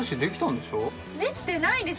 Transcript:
できてないです！